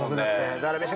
ダルビッシュ